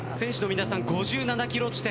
選手の皆さん、５７キロ地点。